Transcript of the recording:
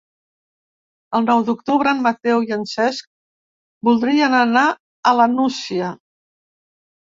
El nou d'octubre en Mateu i en Cesc voldrien anar a la Nucia.